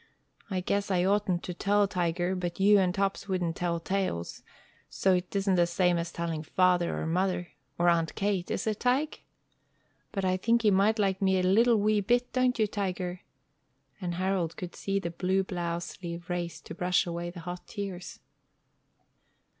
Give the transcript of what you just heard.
I guess I oughtn't to tell, Tiger, but you and Tops wouldn't tell tales, so 'tisn't the same as tellin' father, or mother, or Auntie Kate, is it, Tige? But I think he might like me a little wee bit, don't you, Tiger?" And Harold could see the blue blouse sleeve raised to brush away the hot tears.